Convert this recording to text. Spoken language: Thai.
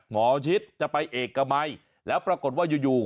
หมอชิดจะไปเอกมัยแล้วปรากฏว่าอยู่